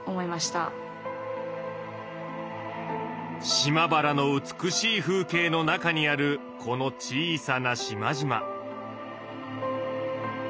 島原の美しい風景の中にあるこの小さな島々。